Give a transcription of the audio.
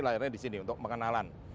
lahirnya di sini untuk pengenalan